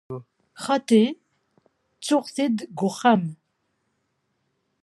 Xaṭi, ttuɣ-t deg uxxam.